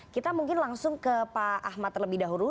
kita mungkin langsung ke pak ahmad terlebih dahulu